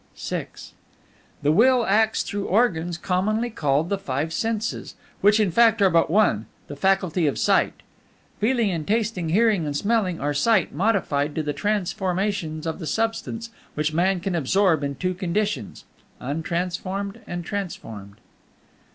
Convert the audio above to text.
VI The Will acts through organs commonly called the five senses, which, in fact, are but one the faculty of Sight. Feeling and tasting, hearing and smelling, are Sight modified to the transformations of the Substance which Man can absorb in two conditions: untransformed and transformed.